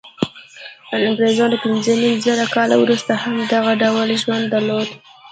انګرېزانو پنځه نیم زره کاله وروسته هم دغه ډول ژوند درلود.